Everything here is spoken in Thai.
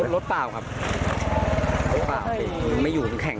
รถเปล่าไม่อยู่มันแข็ง